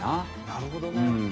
なるほどね。